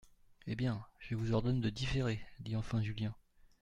Eh bien ! je vous ordonne de différer, dit enfin Julien.